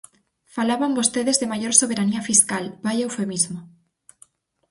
Falaban vostedes de maior soberanía fiscal, ¡vaia eufemismo!